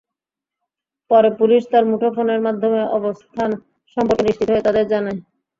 পরে পুলিশ তাঁর মুঠোফোনের মাধ্যমে অবস্থান সম্পর্কে নিশ্চিত হয়ে তাঁদের জানায়।